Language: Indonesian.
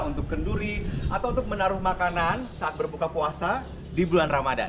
untuk kenduri atau untuk menaruh makanan saat berbuka puasa di bulan ramadan